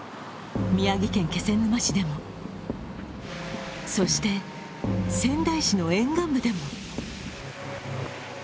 宮城県気仙沼市でも、そして、仙台市の沿岸部でも。